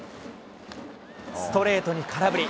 ストレートに空振り。